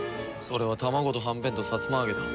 それは卵とはんぺんとさつま揚げだ。